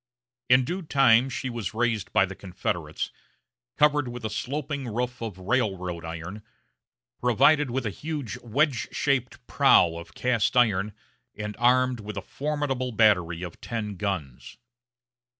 In due time she was raised by the Confederates, covered with a sloping roof of railroad iron, provided with a huge wedge shaped prow of cast iron, and armed with a formidable battery of ten guns.